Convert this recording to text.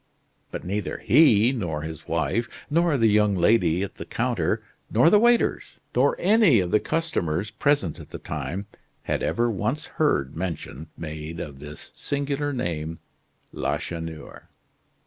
But neither he, nor his wife, nor the young lady at the counter, nor the waiters, nor any of the customers present at the time, had ever once heard mention made of this singular name Lacheneur.